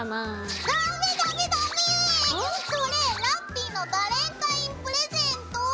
それラッピィのバレンタインプレゼント。